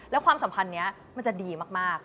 แล้วความสัมพันธ์นี้มันจะดีมาก